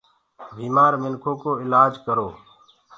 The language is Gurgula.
بيمآر منکو ڪو الآج ڪرو